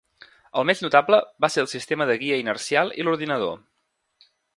El més notable va ser el sistema de guia inercial i l'ordinador.